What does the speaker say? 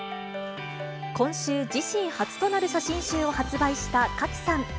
今週、自身初となる写真集を発売した賀喜さん。